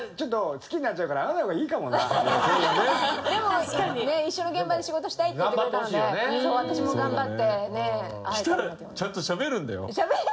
でも「一緒の現場で仕事したい」って言ってくれたので私も頑張って会えたらいいなと。